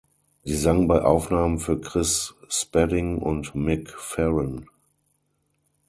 Sie sang bei Aufnahmen für Chris Spedding und Mick Farren.